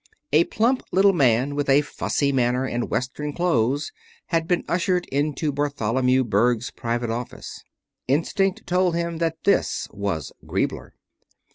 A plump little man, with a fussy manner and Western clothes had been ushered into Bartholomew Berg's private office. Instinct told him that this was Griebler.